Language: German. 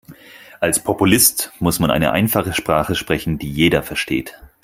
Als Populist muss man eine einfache Sprache sprechen, die jeder versteht.